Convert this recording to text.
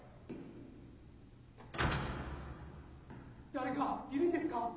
誰かいるんですか？